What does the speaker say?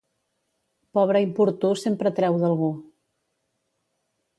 Pobre importú sempre treu d'algú.